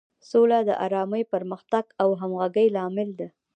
سوله د ارامۍ، پرمختګ او همغږۍ لامل ده.